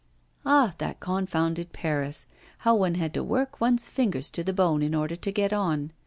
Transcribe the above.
Ah! that confounded Paris, how one had to work one's fingers to the bone in order to get on.